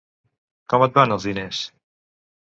Com et van, els diners?